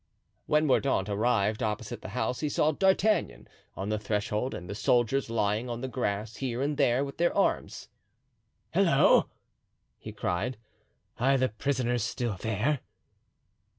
When Mordaunt arrived opposite the house he saw D'Artagnan on the threshold and the soldiers lying on the grass here and there, with their arms. "Halloo!" he cried, "are the prisoners still there?"